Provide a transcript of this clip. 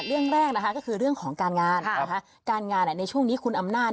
เรื่องแรกนะคะก็คือเรื่องของการงานนะคะการงานในช่วงนี้คุณอำนาจ